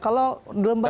kalau lembaga negara